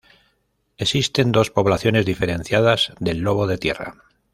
Existen dos poblaciones diferenciadas del lobo de tierra.